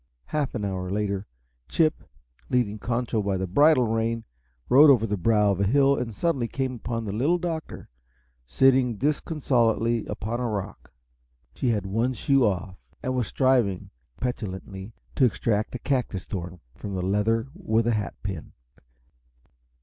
Half an hour later, Chip, leading Concho by the bridle rein, rode over the brow of a hill and came suddenly upon the Little Doctor, sitting disconsolately upon a rock. She had one shoe off, and was striving petulantly to extract a cactus thorn from the leather with a hat pin.